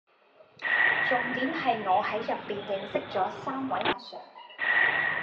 重點係我係入面認識咗三位阿 sir⠀⠀